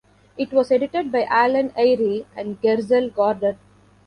It was edited by Alan Eyre and Gerzel Gordon.